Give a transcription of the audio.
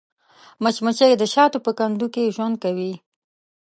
مچمچۍ د شاتو په کندو کې ژوند کوي